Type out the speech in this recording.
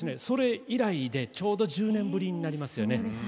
それ以来でちょうど１０年ぶりになりますよね。